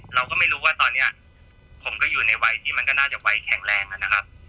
เราก็ไม่รู้ว่าตอนนี้ผมก็อยู่ในวัยที่มันก็น่าจะไว้แข็งแรงนะครับ